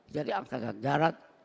dari angkatan darat